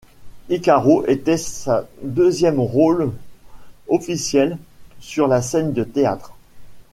Hikaro était sa deuxième rôle officiel sur la scène de théâtre.